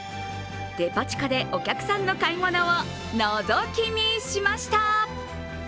デパ地下でお客さんの買い物をのぞき見しました！